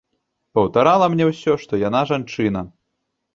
Паўтарала мне ўсё, што яна жанчына.